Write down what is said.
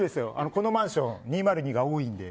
このマンション２０２が多いんで。